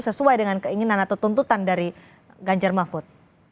sesuai dengan keinginan atau tuntutan dari ganjar mahfud